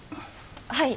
はい。